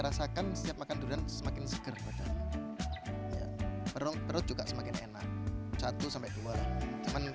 rasakan setiap makan durian semakin seger badan perut perut juga semakin enak satu sampai dua cuman